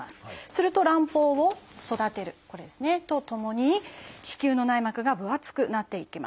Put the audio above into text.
すると卵胞を育てるこれですねとともに子宮の内膜が分厚くなっていきます。